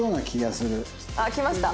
あっ来ました。